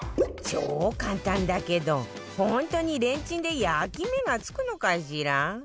超簡単だけど本当にレンチンで焼き目がつくのかしら？